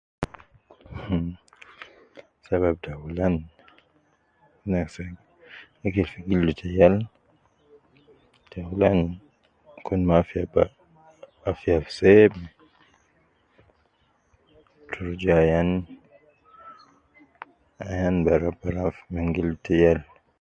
Hmm Sabab ta aulan mafi akil fi gildu ta yal ta aulan Kun ma afiya al seeme kumfi gildu ta yal ma afiya ab seme.